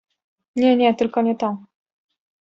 "Nie, nie, tylko nie to!"